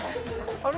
あれ？